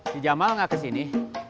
si jamal gak kesini